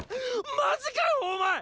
マジかよお前っ！